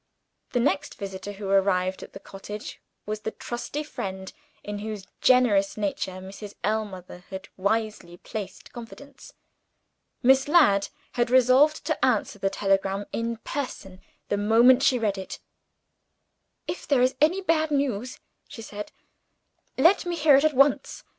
The next visitor who arrived at the cottage was the trusty friend, in whose generous nature Mrs. Ellmother had wisely placed confidence. Miss Ladd had resolved to answer the telegram in person, the moment she read it. "If there is bad news," she said, "let me hear it at once.